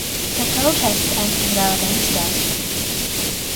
The protest ended without incident.